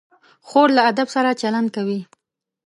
خور له ادب سره چلند کوي.